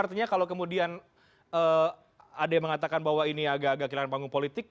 artinya kalau kemudian ada yang mengatakan bahwa ini agak agak kehilangan panggung politik